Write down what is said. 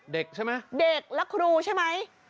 เด็กและครูใช่ไหม